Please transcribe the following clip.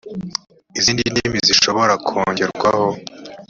izindi ndimi zishobora kongerwaho